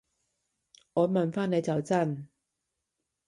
我問返你就真